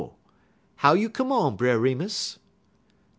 How you come on, Brer Remus?"